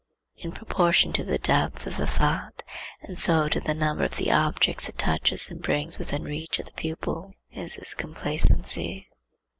In proportion to the depth of the thought, and so to the number of the objects it touches and brings within reach of the pupil, is his complacency.